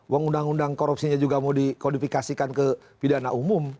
uang undang undang korupsinya juga mau dikodifikasikan ke pidana umum